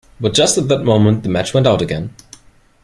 But just at that moment the match went out again.